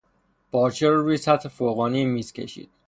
پارچه را روی سطح فوقانی میز کشید.